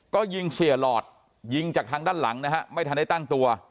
ก็ยิงเสียหลอดยิงจากทางด้านหลังนะฮะไม่ทันได้ตั้งตัว